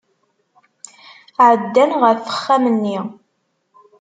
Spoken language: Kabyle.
Ɛeddan ɣef uxxam-nni.